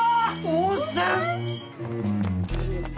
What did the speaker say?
温泉！？